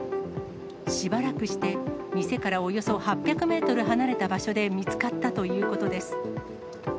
しばらくして、店からおよそ８００メートル離れた場所で見つかったということです。